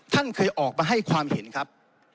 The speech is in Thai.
ท่านเคยออกมาให้ความเห็นครับ